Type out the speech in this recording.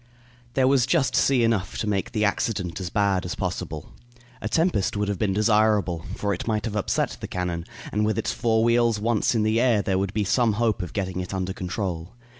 There was just sea enough to make the accident as bad as possible. A tempest would have been desirable, for it might have upset the cannon, and with its four wheels once in the air there would be some hope of getting it under control.